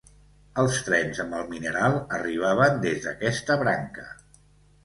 Els trens amb el mineral arribaven des d'aquesta branca.